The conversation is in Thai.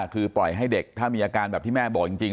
คือปล่อยให้เด็กถ้ามีอาการแบบที่แม่บอกจริง